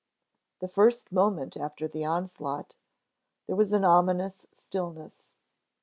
The first moment after the onslaught, there was an ominous stillness.